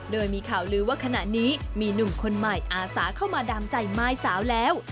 โดยมีข่าวลือว่าขณะนี้มีหนุ่มคนใหม่อาสาเข้ามาดามใจม่ายสาวแล้ว